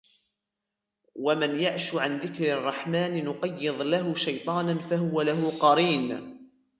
ومن يعش عن ذكر الرحمن نقيض له شيطانا فهو له قرين